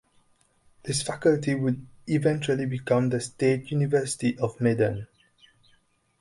This faculty would eventually become the State University of Medan.